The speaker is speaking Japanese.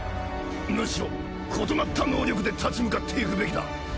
むしろ異なった能力で立ち向かっていくべきだ。